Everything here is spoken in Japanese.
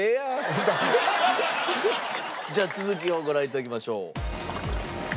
じゃあ続きをご覧頂きましょう。